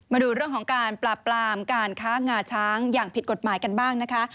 มาดูเรื่องของการปราบปรามการค้างาช้างอย่างผิดกฎหมายกันบ้างนะคะ